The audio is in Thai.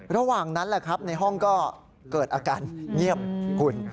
ระหว่างนั้นแหละครับในห้องก็เกิดอาการเงียบคุณ